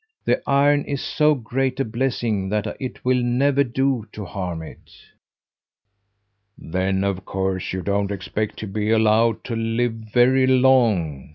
"The iron is so great a blessing that it will never do to harm it." "Then of course you don't expect to be allowed to live very long?"